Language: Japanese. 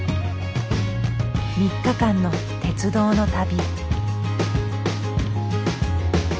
３日間の鉄道の旅。